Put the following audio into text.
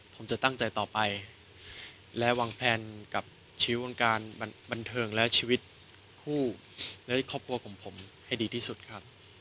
ผมจะตั้งใจต่อไปและวางแผนกับชีวิตวงการบันเทิงและชีวิตคู่และครอบครัวของผมให้ดีที่สุดครับ